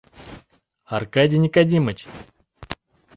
Аркадий Никодимыч!